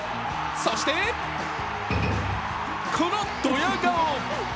そしてこのドヤ顔。